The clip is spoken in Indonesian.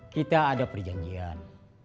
kita ada perjanjian